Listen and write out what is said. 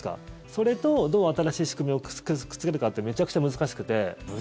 それと、どう新しい仕組みをくっつけるかってめちゃくちゃ難しくて。